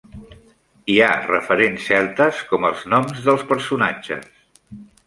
Hi ha referents celtes, com els noms dels personatges.